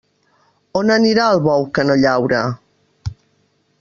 On anirà el bou que no llaure?